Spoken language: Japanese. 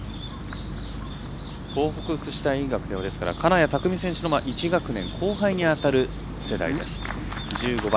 東北福祉大学では金谷拓実選手の１学年後輩に当たる世代。